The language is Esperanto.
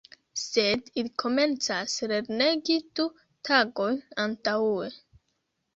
Sed ili komencas lernegi du tagojn antaŭe.